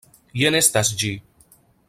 Jen estas ĝi!